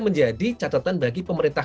menjadi catatan bagi pemerintah